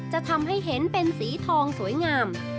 จะทำให้เห็นเป็นสีทองสวยงาม